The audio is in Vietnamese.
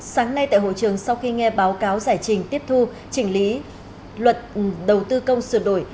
sáng nay tại hội trường sau khi nghe báo cáo giải trình tiếp thu chỉnh lý luật đầu tư công sửa đổi